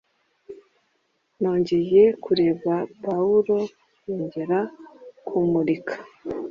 Nongeye kureba Pawulo yongera kumurika